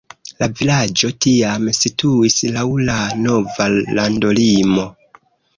La vilaĝo tiam situis laŭ la nova landolimo.